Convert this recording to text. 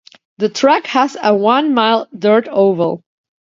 The track has a one-mile dirt oval.